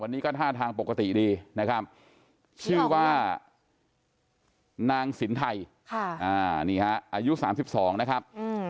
วันนี้ก็ท่าทางปกติดีนะครับชื่อว่านางสินไทยค่ะนี่ฮะอายุสามสิบสองนะครับอืม